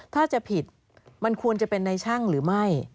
ถ้าจะผิดมันควรจะเป็นในช่างหรือไม่